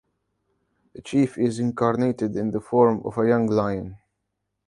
The chief is incarnated in the form of a young lion.